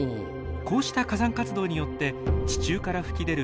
こうした火山活動によって地中から噴き出る